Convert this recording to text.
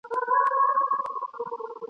چي آواز یې داسي ډک دی له هیبته ..